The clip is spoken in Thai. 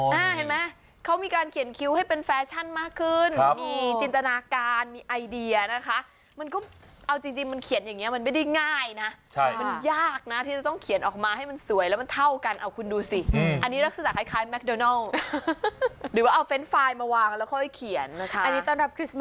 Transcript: เห็นไหมเขามีการเขียนคิ้วให้เป็นแฟชั่นมากขึ้นมีจินตนาการมีไอเดียนะคะมันก็เอาจริงมันเขียนอย่างเงี้มันไม่ได้ง่ายนะมันยากนะที่จะต้องเขียนออกมาให้มันสวยแล้วมันเท่ากันเอาคุณดูสิอันนี้ลักษณะคล้ายแมคโดนัลหรือว่าเอาเฟรนด์ไฟล์มาวางแล้วค่อยเขียนนะคะ